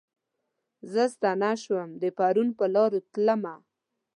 زه ستنه شوم د پرون پرلارو تلمه